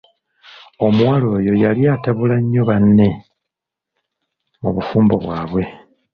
Omuwala oyo yali atabula nnyo banne mu bufumbo bwabwe.